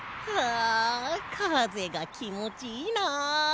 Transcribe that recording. あかぜがきもちいいなあ。